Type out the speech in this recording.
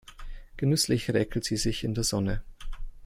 Genüsslich räkelt sie sich in der Sonne.